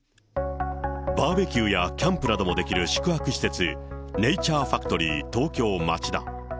バーベキューやキャンプなどもできる宿泊施設、ネイチャーファクトリー東京町田。